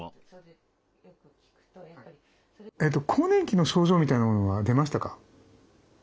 更年期の症状みたいなものは出ましたか？